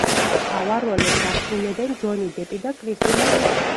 მთავარ როლებს ასრულებენ ჯონი დეპი და კრისტინა რიჩი.